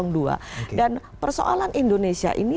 dan persoalan indonesia ini